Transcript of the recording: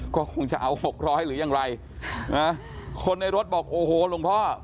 ก็คงจะเอาหกร้อยหรือยังไรนะคนในรถบอกโอ้โหหลวงพ่อ